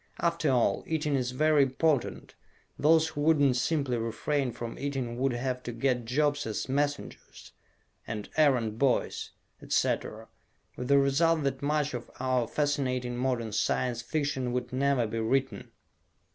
After all, eating is very important; those who wouldn't simply refrain from eating would have to get jobs as messengers, and errand boys, etc. with the result that much of our fascinating modern Science Fiction would never be written!